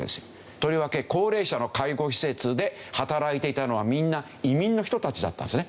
とりわけ高齢者の介護施設で働いていたのはみんな移民の人たちだったんですね。